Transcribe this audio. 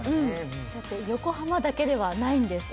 横浜だけではないんです。